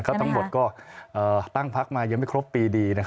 ทั้งหมดก็ตั้งพักมายังไม่ครบปีดี